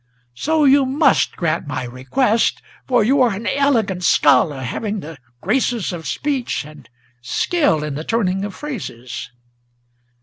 So you must grant my request, for you are an elegant scholar, Having the graces of speech, and skill in the turning of phrases."